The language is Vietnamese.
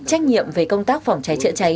trách nhiệm về công tác phòng cháy trợ cháy